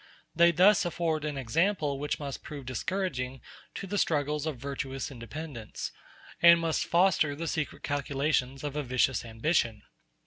They thus afford an example which must prove discouraging to the struggles of virtuous independence, and must foster the secret calculations of a vicious ambition.